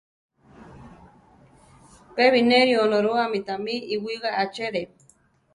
Pe bineri Onorúame tamí iwigá achere.